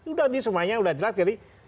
udah nih semuanya udah jelas jadi